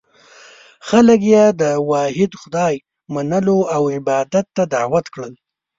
خلک یې د واحد خدای منلو او عبادت ته دعوت کړل.